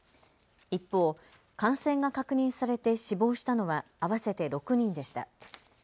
一方、感染が確認されて死亡したのは合わせて６人でした。